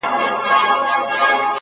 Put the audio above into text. خو دا لمر بيا په زوال د چا د ياد .